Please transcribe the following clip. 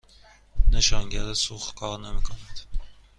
نشانگر سوخت کار نمی کند.